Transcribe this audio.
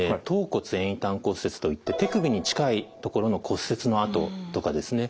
橈骨遠位端骨折といって手首に近い所の骨折のあととかですね